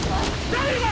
大丈夫か！？